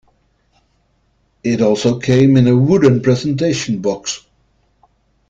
It also came in a wooden presentation box.